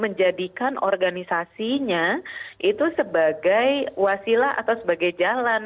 menjadikan organisasinya itu sebagai wasilah atau sebagai jalan